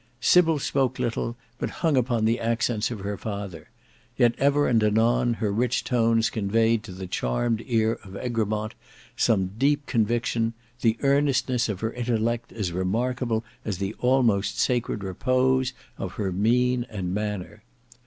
Sybil spoke little, but hung upon the accents of her father; yet ever and anon her rich tones conveyed to the charmed ear of Egremont some deep conviction, the earnestness of her intellect as remarkable as the almost sacred repose of her mien and manner.